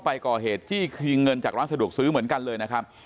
ก่อเหตุจี้คิงเงินจากร้านสะดวกซื้อเหมือนกันเลยนะครับ